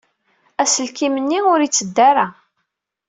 Aselkim-nni ur yetteddu ara.